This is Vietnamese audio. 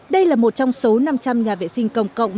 đây là một trong số năm trăm linh nhà vệ sinh công cộng